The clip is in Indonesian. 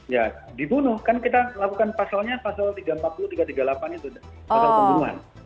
ya dibunuh kan kita lakukan pasalnya pasal tiga ratus empat puluh tiga ratus tiga puluh delapan itu pasal pembunuhan